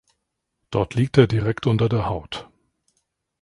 Dort liegt er direkt unter der Haut.